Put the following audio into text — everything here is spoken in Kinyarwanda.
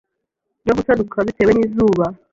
no gusaduka bitewe n’izuba.